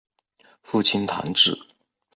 父亲谭智。